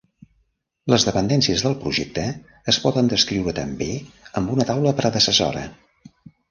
Les dependències del projecte es poden descriure també amb una taula predecessora.